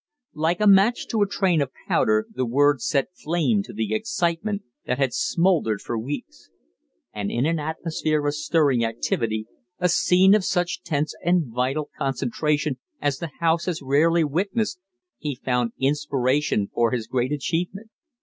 Like a match to a train of powder, the words set flame to the excitement that had smouldered for weeks; and in an atmosphere of stirring activity, a scene of such tense and vital concentration as the House has rarely witnessed, he found inspiration for his great achievement.